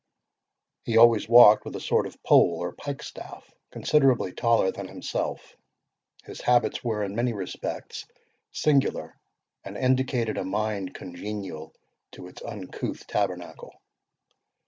He always walked with a sort of pole or pike staff, considerably taller than himself. His habits were, in many respects, singular, and indicated a mind congenial to its uncouth tabernacle.